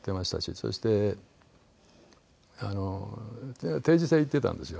そして定時制行ってたんですよ。